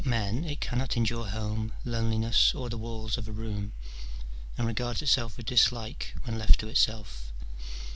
267 men, it cannot endure home, loneliness, or the walls of a room, and regards itself with dislike when left to itself.